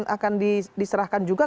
akan diserahkan juga